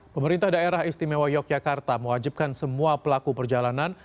pemerintah daerah istimewa yogyakarta mewajibkan semua pelaku perjalanan